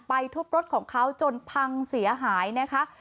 ทุบรถของเขาจนพังเสียหายนะคะ